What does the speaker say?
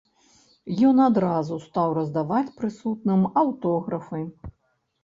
Ён адразу стаў раздаваць прысутным аўтографы.